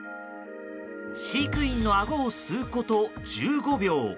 飼育員のあごを吸うこと１５秒。